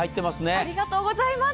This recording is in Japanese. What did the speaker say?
ありがとうございます。